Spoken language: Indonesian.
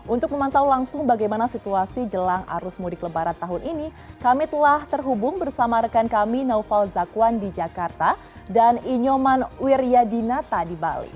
untuk memantau langsung bagaimana situasi jelang arus mudik lebaran tahun ini kami telah terhubung bersama rekan kami naufal zakwan di jakarta dan inyoman wiryadinata di bali